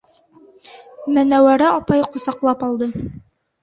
Менәүәрә апай ҡосаҡлап алды: